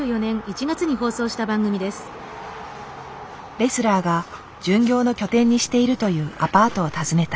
レスラーが巡業の拠点にしているというアパートを訪ねた。